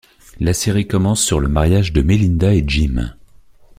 La série commence sur le mariage de Mélinda et Jim.